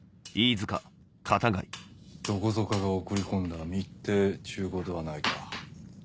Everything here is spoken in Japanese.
どこぞかが送り込んだ密偵ちゅうことはないか？